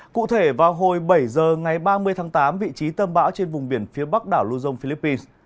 cụ thể vào hồi bảy giờ ngày ba mươi tháng tám vị trí tâm bão trên vùng biển phía bắc đảo luzon philippines